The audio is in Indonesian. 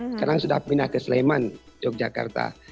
sekarang sudah pindah ke sleman yogyakarta